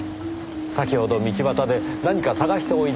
先ほど道端で何か捜しておいででした。